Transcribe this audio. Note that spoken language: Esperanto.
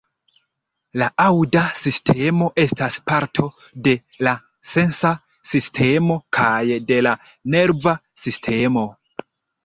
La aŭda sistemo estas parto de la sensa sistemo kaj de la nerva sistemo.